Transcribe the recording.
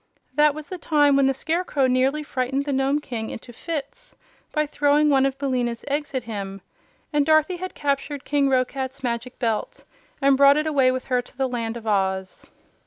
That was the time when the Scarecrow nearly frightened the Nome King into fits by throwing one of Billina's eggs at him, and Dorothy had captured King Roquat's Magic Belt and brought it away with her to the Land of Oz.